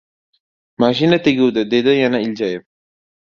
— Mashina teguvdi, — dedi yana iljayib.